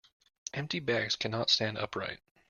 Empty bags cannot stand upright.